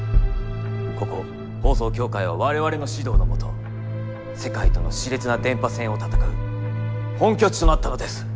ここ放送協会は我々の指導の下世界とのしれつな電波戦を戦う本拠地となったのです。